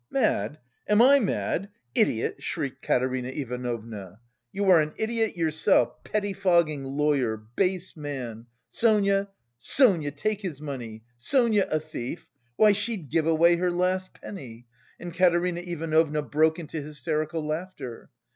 Mad? Am I mad? Idiot!" shrieked Katerina Ivanovna. "You are an idiot yourself, pettifogging lawyer, base man! Sonia, Sonia take his money! Sonia a thief! Why, she'd give away her last penny!" and Katerina Ivanovna broke into hysterical laughter.